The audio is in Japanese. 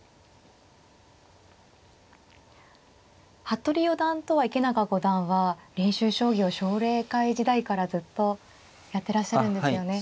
服部四段とは池永五段は練習将棋を奨励会時代からずっとやってらっしゃるんですよね。